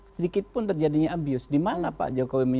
sedikit pun terjadinya abuse dimana pak jokowi